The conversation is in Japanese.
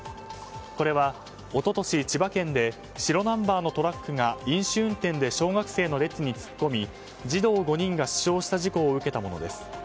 これは一昨年、千葉県で白ナンバーのトラックが飲酒運転で小学生の列に突っ込み児童５人が死傷した事故を受けたものです。